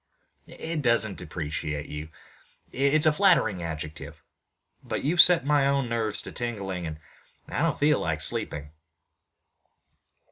"It doesn't depreciate you. It's a flattering adjective, but you've set my own nerves to tingling and I don't feel like sleeping."